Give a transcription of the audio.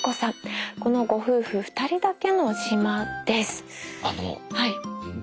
このご夫婦２人だけの島です。